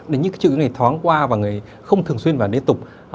những triệu chứng này thoáng qua và không thường xuyên và nê tục